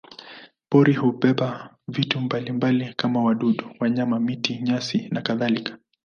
Pori hubeba vitu mbalimbali kama wadudu, wanyama, miti, nyasi nakadhalika.